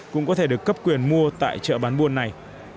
cũng có thể được cấp quyền mua tại chợ bán buôn này